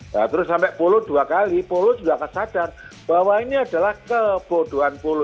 nah terus sampai polo dua kali polo juga akan sadar bahwa ini adalah kebodohan polo